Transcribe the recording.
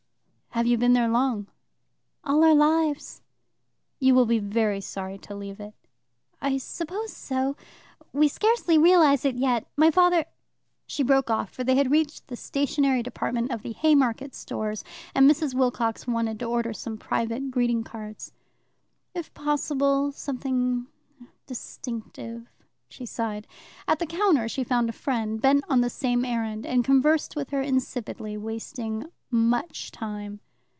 "Have you been there long?" "All our lives." "You will be very sorry to leave it." "I suppose so. We scarcely realize it yet. My father " She broke off, for they had reached the stationery department of the Haymarket Stores, and Mrs. Wilcox wanted to order some private greeting cards. "If possible, something distinctive," she sighed. At the counter she found a friend, bent on the same errand, and conversed with her insipidly, wasting much time.